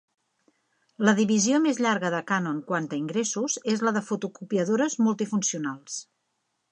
La divisió més llarga de Canon quant a ingressos és la de fotocopiadores multifuncionals.